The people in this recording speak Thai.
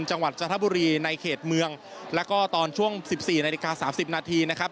จังหวัดจันทบุรีในเขตเมืองแล้วก็ตอนช่วงสิบสี่นาฬิกาสามสิบนาทีนะครับ